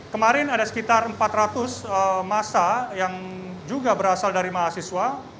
kemarin ada sekitar empat ratus masa yang juga berasal dari mahasiswa